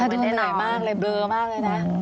เหนื่อยมากเลยเบลอมากเลยนะ